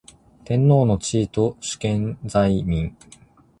天皇の地位と主権在民